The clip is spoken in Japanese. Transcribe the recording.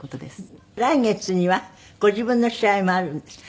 来月にはご自分の試合もあるんですって？